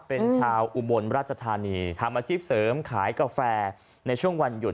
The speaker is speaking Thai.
เป็นชาวอุบลราชธานีทำอาชีพเสริมขายกาแฟในช่วงวันหยุด